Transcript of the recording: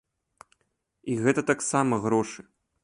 І гэта таксама грошы.